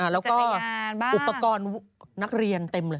แล้วก็อุปกรณ์นักเรียนเต็มเลย